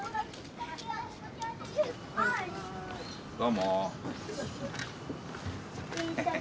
どうも。